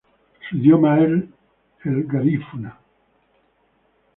Su idioma es el garífuna.